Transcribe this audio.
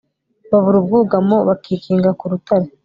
babura ubwugamo bakikinga ku rutare